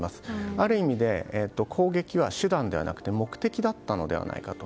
ある意味、攻撃は手段ではなくて目的だったのではないかと。